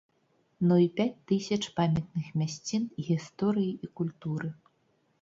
Ну і пяць тысяч памятных мясцін гісторыі і культуры.